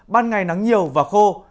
ban ngày nắng nhiều và khô